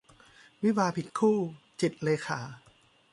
วิวาห์ผิดคู่ - จิตรเลขา